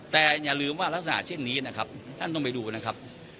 แต่อย่าลืมว่ารักษณะเช่นนี้นะครับท่านต้องไปดูนะครับ